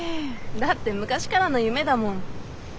だって昔からの夢だもん。